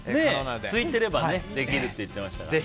すいてればできるって言ってましたからね。